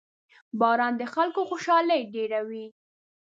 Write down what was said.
• باران د خلکو خوشحالي ډېروي.